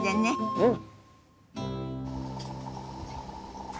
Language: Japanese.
うん！